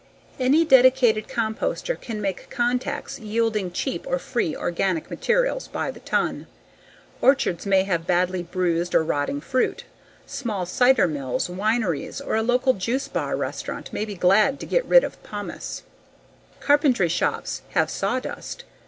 Any dedicated composter can make contacts yielding cheap or free organic materials by the ton. Orchards may have badly bruised or rotting fruit. Small cider mills, wineries, or a local juice bar restaurant may be glad to get rid of pomace. Carpentry shops have sawdust.